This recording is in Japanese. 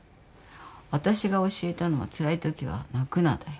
あたしが教えたのは「つらいときは泣くな」だよ。